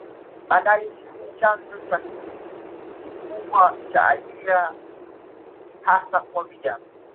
Bandari hizi ni chanzo cha kikubwa cha ajira hasa kwa vijana